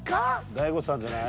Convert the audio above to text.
大悟さんじゃない？